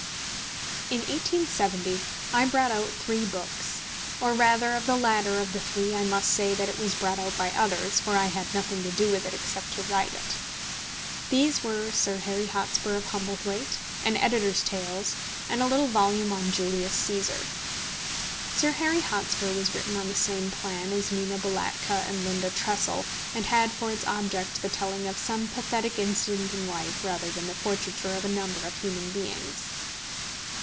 In 1870 I brought out three books, or rather of the latter of the three I must say that it was brought out by others, for I had nothing to do with it except to write it. These were Sir Harry Hotspur of Humblethwaite, An Editors Tales, and a little volume on Julius Cæsar. Sir Harry Hotspur was written on the same plan as Nina Balatka and Linda Tressel, and had for its object the telling of some pathetic incident in life rather than the portraiture of a number of human beings.